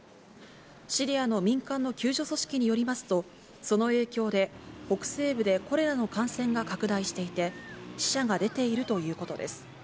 シリアの民間の救助組織によりますと、その影響で北西部でコレラの感染が拡大していて、死者が出ているということです。